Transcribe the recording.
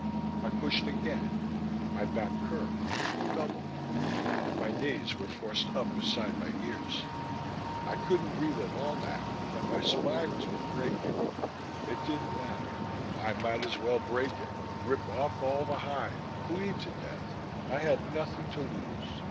I pushed again, my back curved, doubled; my knees were forced up beside my ears. I couldn't breathe at all now and my spine was breaking. It didn't matter. I might as well break it, rip off all the hide, bleed to death; I had nothing to lose.